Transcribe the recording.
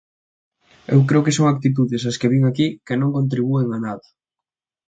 Eu creo que son actitudes, as que vin aquí, que non contribúen a nada.